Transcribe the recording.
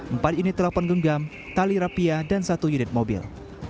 empat ini telepon genggam tali rapia dan satu unit mobil